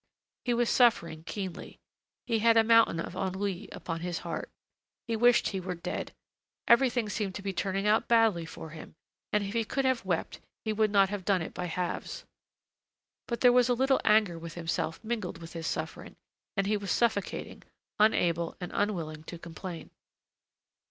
He was suffering keenly, he had a mountain of ennui upon his heart. He wished he were dead. Everything seemed to be turning out badly for him, and if he could have wept, he would not have done it by halves. But there was a little anger with himself mingled with his suffering, and he was suffocating, unable and unwilling to complain.